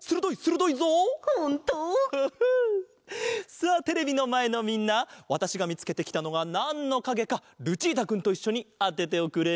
さあテレビのまえのみんなわたしがみつけてきたのがなんのかげかルチータくんといっしょにあてておくれ！